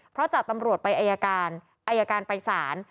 เพราะจากตำรวจไปอายการอายการไปศาล